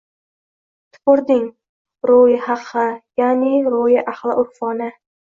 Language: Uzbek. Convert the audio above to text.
Tupurding roʻyi haqgʻa, yaʻni roʻyi-ahli urfona